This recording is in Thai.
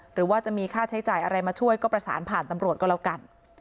หรือว่าจะมีค่าใช้จ่ายอะไรมาช่วยก็ประสานผ่านตำรวจก็แล้วกัน